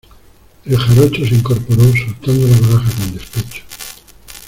el jarocho se incorporó, soltando la baraja con despecho: